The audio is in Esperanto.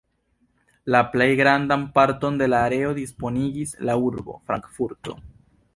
La plej grandan parton de la areo disponigis la urbo Frankfurto.